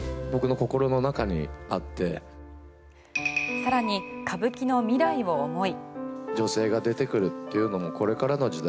更に、歌舞伎の未来を思い。